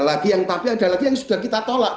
lagi yang tapi ada lagi yang sudah kita tolak